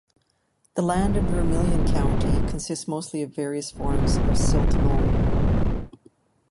The land in Vermilion County consists mostly of various forms of silt loam.